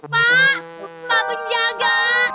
pak pak penjaga